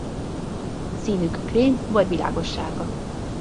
Színük krém- vagy világossárga.